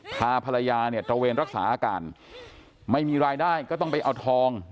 พาภรรยาเนี่ยตระเวนรักษาอาการไม่มีรายได้ก็ต้องไปเอาทอง